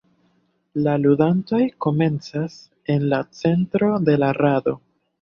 La ludantoj komencas en la centro de la rado.